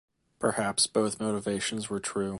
Perhaps both motivations were true.